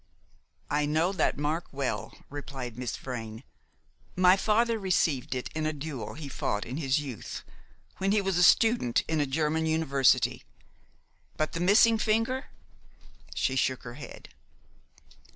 "I know that mark well," replied Miss Vrain. "My father received it in a duel he fought in his youth, when he was a student in a German university; but the missing finger." She shook her head.